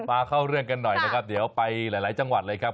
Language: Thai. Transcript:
มาเข้าเรื่องกันหน่อยนะครับเดี๋ยวไปหลายจังหวัดเลยครับ